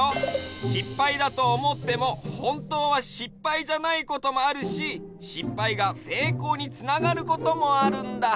しっぱいだとおもってもほんとうはしっぱいじゃないこともあるししっぱいがせいこうにつながることもあるんだ。